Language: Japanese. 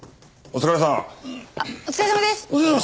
お疲れさまです。